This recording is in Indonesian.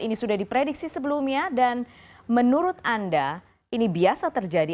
ini sudah diprediksi sebelumnya dan menurut anda ini biasa terjadi